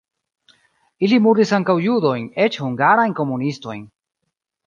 Ili murdis ankaŭ judojn, eĉ hungarajn komunistojn.